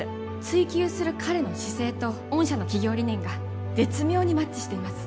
追求する彼の姿勢と御社の企業理念が絶妙にマッチしています